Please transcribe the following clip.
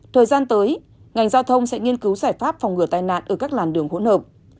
thời gian tới ngành giao thông sẽ nghiên cứu giải pháp phòng ngừa tai nạn ở các làn đường hỗn hợp